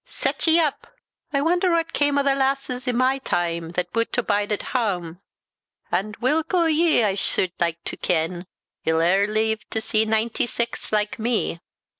Set ye up! I wonder what cam' o' the lasses i' my time, that bute to bide at hame? And whilk o' ye, I sude like to ken, 'II ere leive to see ninety sax, like me?